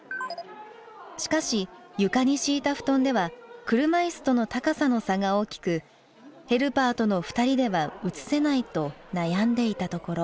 しかし床に敷いた布団では車いすとの高さの差が大きくヘルパーとの２人では移せないと悩んでいたところ。